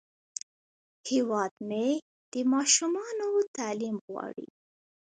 هیواد مې د ماشومانو تعلیم غواړي